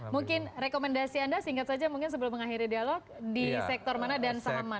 mungkin rekomendasi anda singkat saja mungkin sebelum mengakhiri dialog di sektor mana dan saham mana